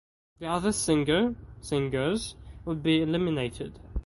The other singer(s) would be eliminated.